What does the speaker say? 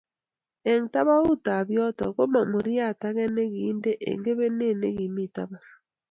Eng tabaut ab yoto kimong muriat ake nekindet eng kebenet ne kimi taban